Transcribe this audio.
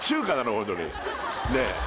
ホントにねえ